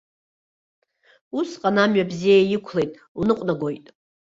Усҟан амҩа бзиа иқәлеит, уныҟәнагоит.